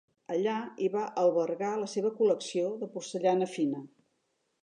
Allà hi va albergar la seva col·lecció de porcellana fina.